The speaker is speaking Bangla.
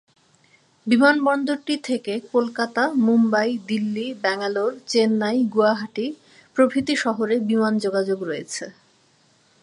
বিমানবন্দরটি থেকে কলকাতা, মুম্বাই, দিল্লি, ব্যাঙ্গালোর, চেন্নাই, গুয়াহাটি, প্রভৃতি শহরে বিমান যোগাযোগ রয়েছে।